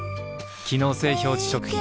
機能性表示食品